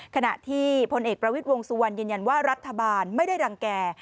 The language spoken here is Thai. ขณะที่พลเอกประวิทย์วงสุวรรณยืนยันว่ารัฐบาลไม่ได้รังแก่